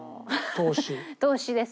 投資です。